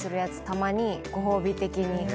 たまにご褒美的に。